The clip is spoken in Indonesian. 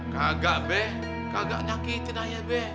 gagak be gagak nyakitin aja be